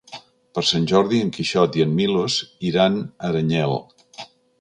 Per Sant Jordi en Quixot i en Milos iran a Aranyel.